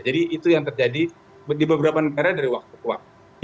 jadi itu yang terjadi di beberapa negara dari waktu ke waktu